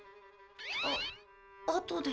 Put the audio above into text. ああとで。